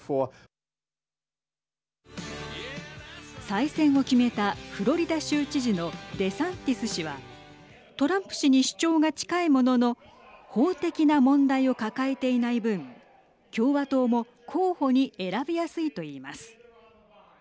再選を決めたフロリダ州知事のデサンティス氏はトランプ氏に主張が近いものの法的な問題を抱えていない分共和党も候補に選びやすいといいます。